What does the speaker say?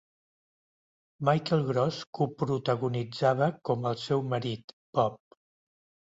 Michael Gross coprotagonitzava com el seu marit, Bob.